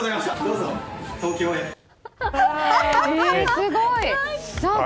すごい！